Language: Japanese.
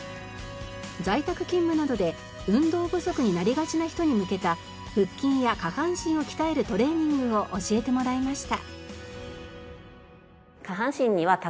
在宅勤務などで運動不足になりがちな人に向けた腹筋や下半身を鍛えるトレーニングを教えてもらいました。